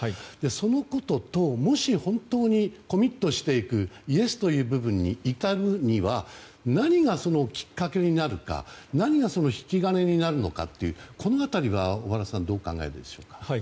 そのことと、もし本当にコミットしていくイエスという部分に至るには何がきっかけになるか何が引き金になるのかというこの辺りは小原さんどうお考えになりますか。